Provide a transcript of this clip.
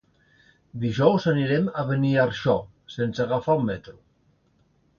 Dijous anirem a Beniarjó sense agafar el metro.